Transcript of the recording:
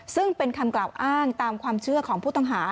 ซึ่งเป็นคำกล่าวอ้างตามความเชื่อของผู้ต้องหา